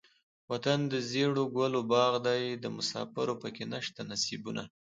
وطن دزيړو ګلو باغ دے دمسافرو پکښې نيشته نصيبونه